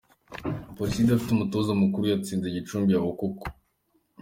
Police idafite umutoza mukuru yatsinze Gicumbi ya Okoko.